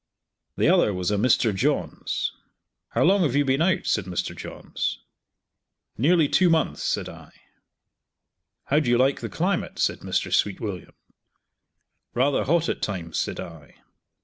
The other was a Mr. Johns. "How long have you been out?" said Mr. Johns. "Nearly two months," said I. "How do you like the climate?" said Mr. Sweetwilliam. "Rather hot, at times," said I.